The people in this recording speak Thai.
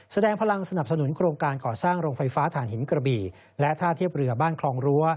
แสดงพลังสนับสนุนโครงการก่อสร้างโรงไฟฟ้าฐานหินกระบี่และท่าเทียบเรือบ้านคลองรั้ว